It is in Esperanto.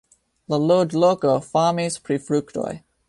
La loĝloko famis pri fruktoj.